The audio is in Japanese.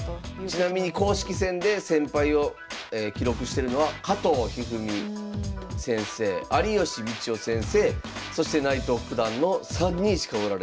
ちなみに公式戦で１，０００敗を記録してるのは加藤一二三先生有吉道夫先生そして内藤九段の３人しかおられない。